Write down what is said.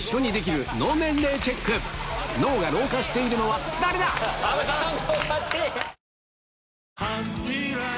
脳が老化しているのは誰だ⁉ん。